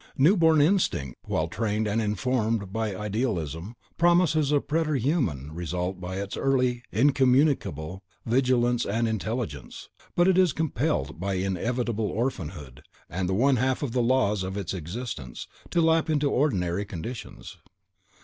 CHILD: NEW BORN INSTINCT, while trained and informed by Idealism, promises a preter human result by its early, incommunicable vigilance and intelligence, but is compelled, by inevitable orphanhood, and the one half of the laws of its existence, to lapse into ordinary conditions.